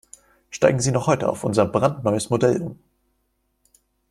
Steigen Sie noch heute auf unser brandneues Modell um!